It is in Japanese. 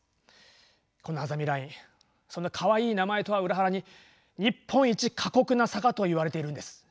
このあざみラインそんなかわいい名前とは裏腹に日本一過酷な坂といわれているんです。